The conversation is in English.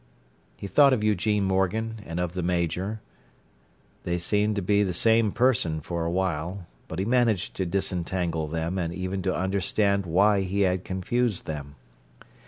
He thought of Eugene Morgan and of the Major; they seemed to be the same person for awhile, but he managed to disentangle them and even to understand why he had confused them.